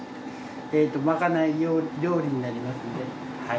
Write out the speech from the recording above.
まかない料理になりますんで。